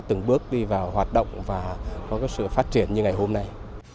từng bước đi vào hoạt động và có sự phát triển như ngày hôm nay